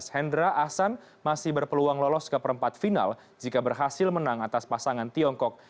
hendra ahsan masih berpeluang lolos ke perempat final jika berhasil menang atas pasangan tiongkok